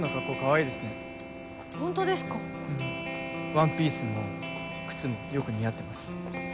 ワンピースも靴もよく似合ってます。